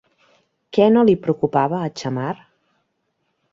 Què no li preocupava a Xammar?